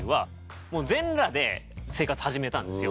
もう全裸で生活始めたんですよ。